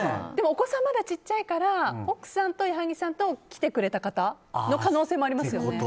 お子さんはまだ小っちゃいから奥さんと矢作さんと来てくれた方の可能性もありますよね。